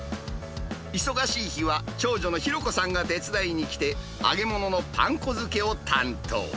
忙しい日は、長女の泰子さんが手伝いに来て、揚げ物のパン粉づけを担当。